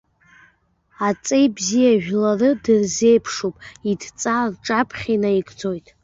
Аҵеи бзиа жәлары дырзеиԥшуп, идҵа рҿаԥхьа инаигӡоит.